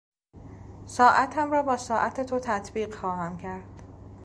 ساعتم را با ساعت تو تطبیق خواهم کرد.